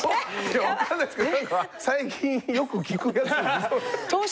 分かんないですけどなんか最近よく聞くやつですねそれ。